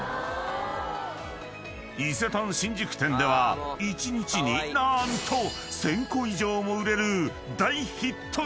［伊勢丹新宿店では一日に何と１，０００個以上も売れる大ヒット商品！］